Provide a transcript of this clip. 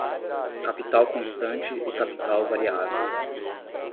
Capital constante e capital variável